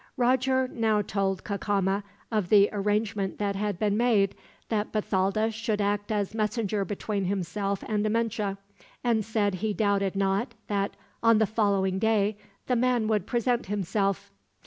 Roger now told Cacama of the arrangement that had been made, that Bathalda should act as messenger between himself and Amenche; and said he doubted not that, on the following day, the man would present himself.